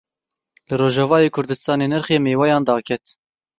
Li Rojavayê Kurdistanê nirxê mêweyan daket.